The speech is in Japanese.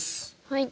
はい。